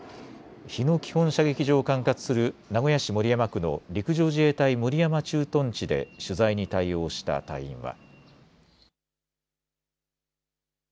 日野基本射撃場を管轄する名古屋市守山区の陸上自衛隊守山駐屯地で取材に対応した隊員は。